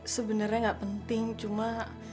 sebenarnya gak penting cuma